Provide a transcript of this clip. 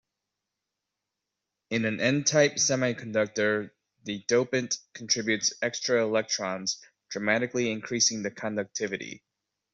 In an n-type semiconductor, the dopant contributes extra electrons, dramatically increasing the conductivity.